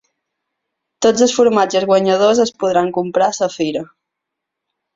Tots els formatges guanyadors es podran comprar a la fira.